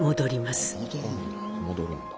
戻るんだ。